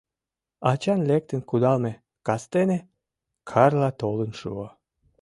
Ачан лектын кудалме кастене Карла толын шуо.